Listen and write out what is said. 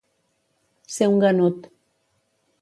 Ser un ganut.